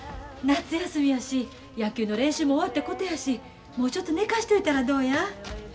夏休みやし野球の練習も終わったことやしもうちょっと寝かしといたらどうや。